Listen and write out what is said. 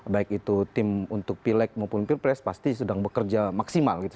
baik itu tim untuk pileg maupun pilpres pasti sedang bekerja maksimal gitu